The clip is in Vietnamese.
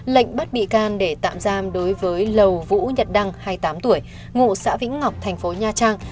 lệnh bắt bị can để tạm giam đối với lầu vũ nhật đăng hai mươi tám tuổi ngụ xã vĩnh ngọc thành phố nha trang